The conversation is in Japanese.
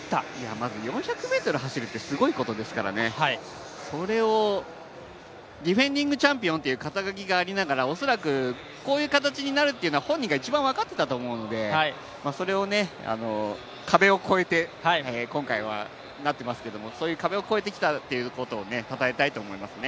まず４００ｍ走るってすごいことですからね、それをディフェンディングチャンピオンという肩書がありながら恐らく、こういう形になるっていうのは本人が一番分かっていたと思うので、それを壁を越えて今回は、なってますけども。